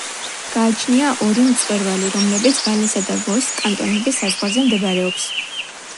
გააჩნია ორი მწვერვალი, რომლებიც ვალესა და ვოს კანტონების საზღვარზე მდებარეობს.